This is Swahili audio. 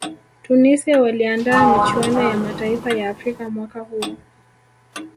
tunisia waliandaa michuano ya mataifa ya afrika mwaka huo